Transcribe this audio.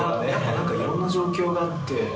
何かいろんな状況があって。